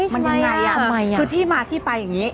มันยังไงคือที่มาที่ไปอย่างนี้